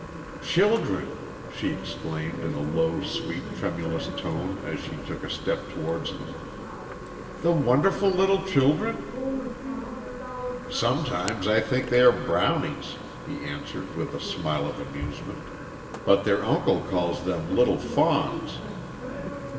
"Children!" she exclaimed, in a low, sweet, tremulous, tone, as she took a step towards them. "The wonderful little children?" "Sometimes I think they are brownies," he answered, with a smile of amusement. "But their uncle calls them little fawns."